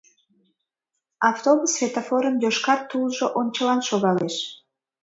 Автобус светофорын йошкар тулжо ончылан шогалеш.